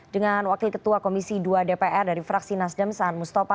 dengan wakil ketua komisi dua dpr dari fraksi nasdem saan mustafa